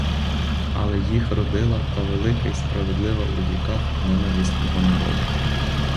Але їх родила та велика й справедлива у віках ненависть мого народу.